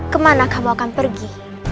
kemana kamu akan pergi